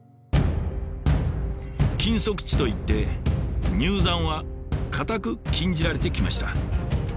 「禁足地」といって入山は固く禁じられてきました。